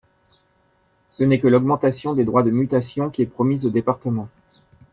Ce n’est que l’augmentation des droits de mutation qui est promise aux départements.